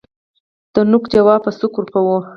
دنوک جواب په سوک ورکوو